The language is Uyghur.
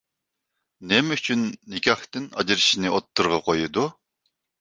نېمە ئۈچۈن نىكاھتىن ئاجرىشىشنى ئوتتۇرىغا قويىدۇ؟